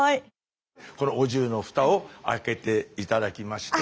このお重のフタを開けて頂きまして。